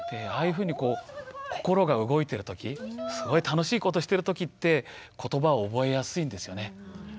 ああいうふうに心が動いてるときすごい楽しいことしてるときってことばを覚えやすいんですよね。